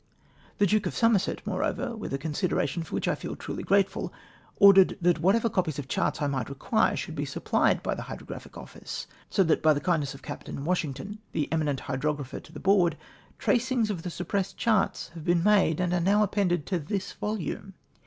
The Duke of Somerset, moreover, with a considera tion for which I feel truly grateful, ordered that what ever copies of charts I might require, should be supphed by the Hydrographic Office ; so that by the kindness of Captain Washington, tlie eminent hydrographer to the Board, tracings of the suppressed charts have been made, and are now appended to this volume.